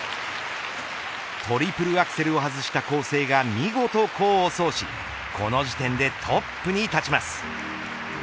トリプルアクセルを外した構成が見事功を奏しこの時点でトップに立ちます。